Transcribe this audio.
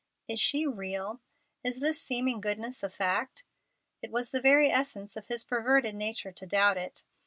"Is this real? Is this seeming goodness a fact?" It was the very essence of his perverted nature to doubt it.